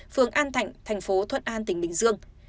phường an thạnh thành phố thuận an tỉnh bình dương